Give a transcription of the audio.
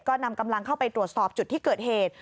ก็นำกำลังเข้าไปตรวจสอบจุดที่เกิดเหตุ